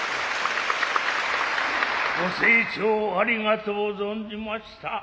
ご清聴ありがとう存じました。